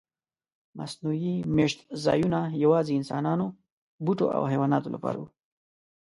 مصنوعي میشت ځایونه یواځې انسانانو، بوټو او حیواناتو لپاره و.